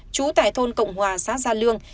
chú tại thôn cộng hòa xã gia lương